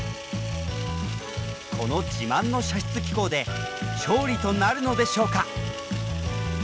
この自慢の射出機構で勝利となるのでしょうか？